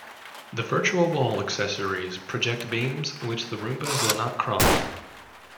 The virtual wall accessories project beams, which the Roomba will not cross.